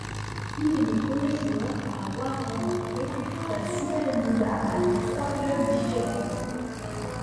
Il est le premier joueur à avoir remporté la Superliga avec trois clubs différents.